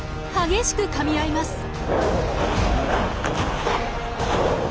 激しくかみ合います。